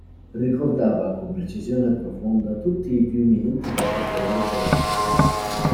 Ricordava con precisione profonda tutti i più minuti particolari della casa.